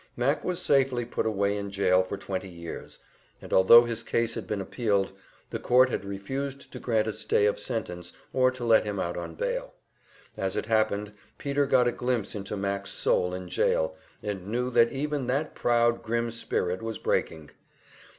Mac was safely put away in jail for twenty years, and although his case had been appealed, the court had refused to grant a stay of sentence or to let him out on bail. As it happened, Peter got a glimpse into Mac's soul in jail, and knew that even that proud, grim spirit was breaking.